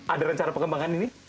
ada rencana pengembangan ini